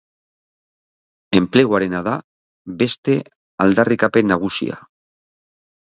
Enpleguarena da beste aldarrikapen nagusia.